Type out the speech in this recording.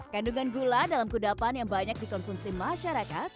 kandungan gula dalam kudapan yang banyak dikonsumsi masyarakat